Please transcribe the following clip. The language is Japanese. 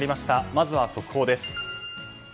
まずは速報です。